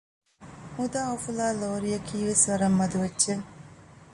މުދާ އުފުލާ ލޯރިއަކީ ވެސް ވަރަށް މަދު އެއްޗެއް